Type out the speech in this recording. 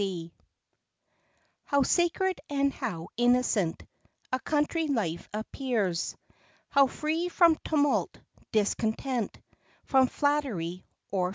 T T OW sacred and how innocent A country life appears, How free from tumult, discontent, From flattery or fears